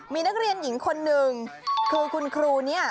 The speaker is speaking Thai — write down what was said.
มีนักเรียนหญิงคนหนึ่งคือคุณครูเนี่ย